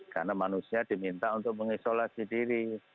karena manusia diminta untuk mengisolasi diri